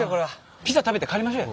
ピザ食べて帰りましょうよ。